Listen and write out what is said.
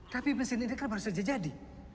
tapi mesin ini kan baru saja jadi